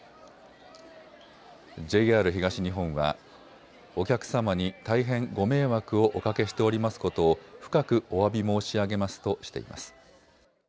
ＪＲ東日本は、お客様に大変ご迷惑をおかけしておりますことを深くおわび申し上げますとしています。